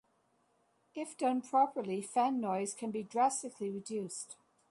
If done properly fan noise can be drastically reduced.